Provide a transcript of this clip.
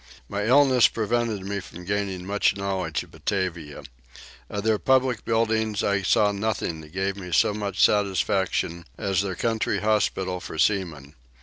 My illness prevented me from gaining much knowledge of Batavia. Of their public buildings I saw nothing that gave me so much satisfaction as their country hospital for seamen.